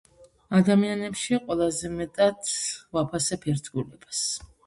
ადამიანებში ყველაზე მეტად ვაფასებ ერთგულებას